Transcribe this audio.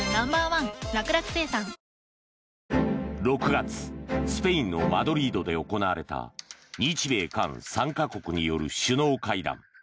６月スペインのマドリードで行われた日米韓３か国による首脳会談。